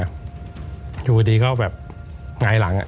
คืออยู่ดีก็ยี่ย่อยไหล่หลัง